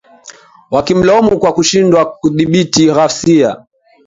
wakimlaumu kwa kushindwa kudhibiti ghasia